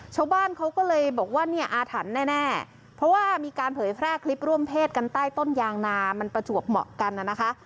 ชาวบ้านเขาก็เลยบอกว่าเนี่ยอาถรรพ์แน่เพราะว่ามีการเผยแพร่คลิปร่วมเพศกันใต้ต้นยางนามันประจวบเหมาะกันน่ะนะคะ